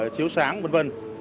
chiếu sáng v v